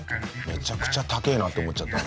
めちゃくちゃ高えなって思っちゃった。